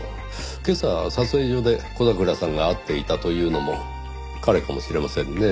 今朝撮影所で小桜さんが会っていたというのも彼かもしれませんねぇ。